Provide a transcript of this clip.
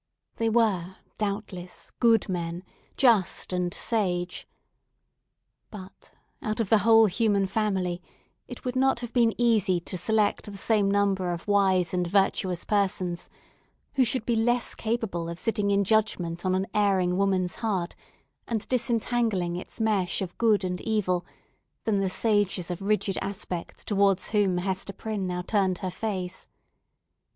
They were, doubtless, good men, just and sage. But, out of the whole human family, it would not have been easy to select the same number of wise and virtuous persons, who should be less capable of sitting in judgment on an erring woman's heart, and disentangling its mesh of good and evil, than the sages of rigid aspect towards whom Hester Prynne now turned her face.